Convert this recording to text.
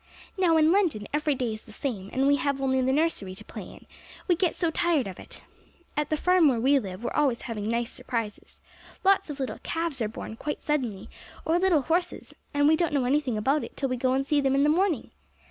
Now, in London every day is the same, and we have only the nursery to play in, we get so tired of it. At the farm where we live we're always having nice surprises; lots of little calves are born quite suddenly, or little horses, and we don't know anything about it till we go and see them in the morning.